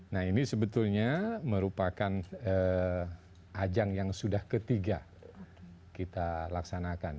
nah ini sebetulnya merupakan ajang yang sudah ketiga kita laksanakan